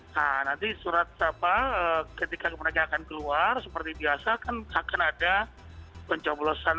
nah nanti surat apa ketika mereka akan keluar seperti biasa kan akan ada pencoblosan